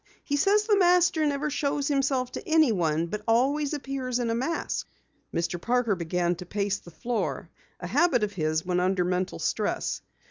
He says the Master never shows himself to anyone, but always appears in mask." Mr. Parker began to pace the floor, a habit of his when under mental stress.